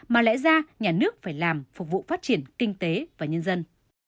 mà lẽ ra nhà nước phải làm phục vụ phát triển kinh tế và nhân dân